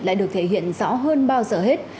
lại được thể hiện rõ hơn bao giờ hết